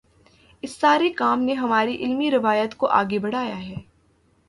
اس سارے کام نے ہماری علمی روایت کو آگے بڑھایا ہے۔